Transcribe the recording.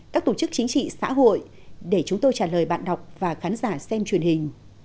các tổ chức chính trị xã hội để chúng tôi trả lời bạn đọc và khán giả xem truyền hình